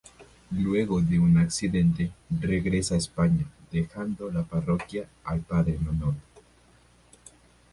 Luego de un accidente, regresa a España dejando la parroquia al "padre Manolo".